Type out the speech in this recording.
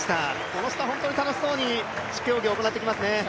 この人は本当に楽しそうに競技をしますね。